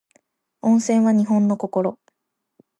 温泉は日本の心